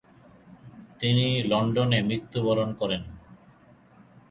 তিনি লন্ডনে মৃত্যুবরণ করেন।